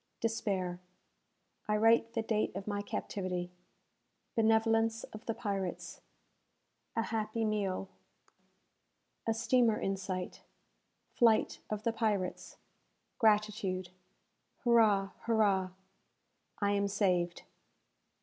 Despair I write the Date of my Captivity Benevolence of the Pirates A Happy Meal A Steamer in Sight Flight of the Pirates Gratitude Hurrah! Hurrah! I am Saved!